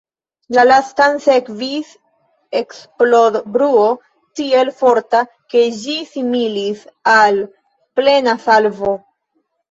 La lastan sekvis eksplodbruo tiel forta, ke ĝi similis al plena salvo.